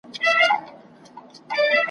له نسیم سره زګېروئ د جانان راغی ,